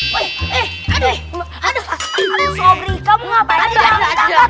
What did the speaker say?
wih aduh aduh sobrie kamu ngapain